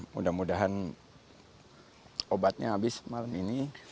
mudah mudahan obatnya habis malam ini